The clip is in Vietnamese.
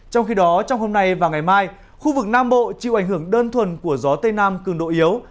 trong khi đó trong hôm nay và ngày mai khu vực nam bộ chịu ảnh hưởng đơn thuần của gió tây nam cường độ yếu